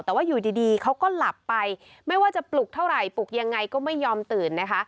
แต่ว่าอยู่ดีเขาก็หลับไปไม่ว่าจะปลุกเท่าไหร่ปลุกยังไงก็ไม่ยอมตื่นนะคะ